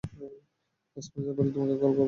Sponsor পেলেই তোমাকে call করব।